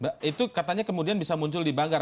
nah itu katanya kemudian bisa muncul di banggar